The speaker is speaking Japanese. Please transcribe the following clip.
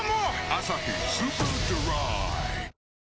「アサヒスーパードライ」